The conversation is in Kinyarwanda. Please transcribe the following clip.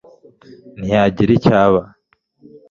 ntiyagira icyo aba